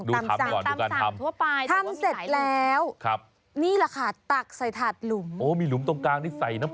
กรอบเราฟายซังหน้าสูงสาก